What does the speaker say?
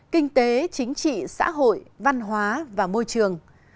kinh tế chính trị xã hội văn hóa và môi trường